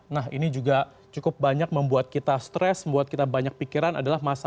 nah ini juga cukup banyak membuat kita stres membuat kita banyak pikiran adalah masalah